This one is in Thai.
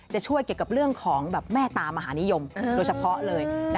จะช่วยเกี่ยวกับเรื่องของแบบแม่ตามหานิยมโดยเฉพาะเลย